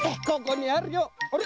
ここにあるよ。